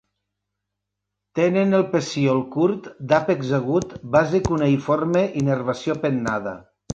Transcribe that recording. Tenen el pecíol curt, d'àpex agut, base cuneïforme i nervació pennada.